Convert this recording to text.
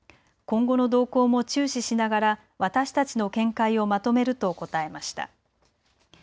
今後の動向も注視しながら私たちの見解をまとめると答えました。